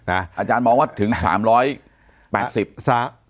อาจารย์มองว่าถึง๓๘๐ซะ